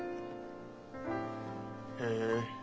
へえ。